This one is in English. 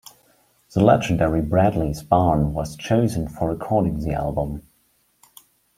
The legendary Bradley's Barn was chosen for recording the album.